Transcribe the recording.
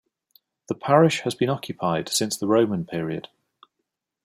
The parish has been occupied since the Roman period.